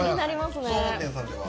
総本店さんでは？